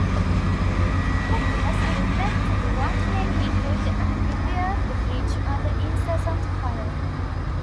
Nevertheless, he collected what men he could and repaired the bridge, under incessant fire.